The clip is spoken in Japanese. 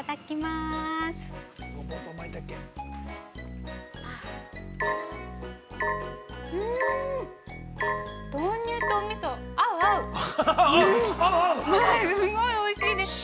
すごいおいしいです。